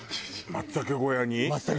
松茸小屋に。